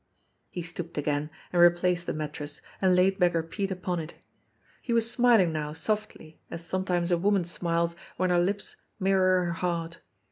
He stooped again, and replaced the mattress, and laid Beggar Pete upon it. He was smiling now softly, as some times a woman smiles when her lips mirror her heart.